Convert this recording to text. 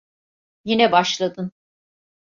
Yine başladın.